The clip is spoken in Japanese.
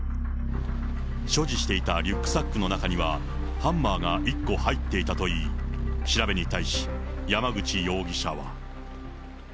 所持していたリュックサックの中には、ハンマーが１個入っていたといい、調べに対し、山口容疑者は。